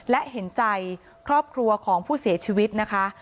และเห็นใจครอบครัวของผู้เสียชีวิตนะคะ